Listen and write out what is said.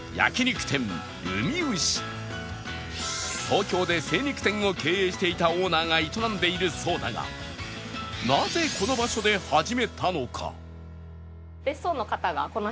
東京で精肉店を経営していたオーナーが営んでいるそうだがっていう事で海牛を。